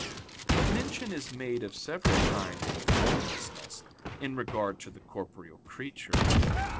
But mention is made of several kinds of formlessness, in regard to the corporeal creature.